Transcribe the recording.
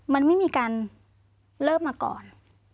มันไม่มีการเลิกมาก่อน